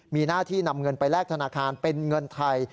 มีหน้าที่นำเงินไปแลกธนาคารเป็นเงินไทย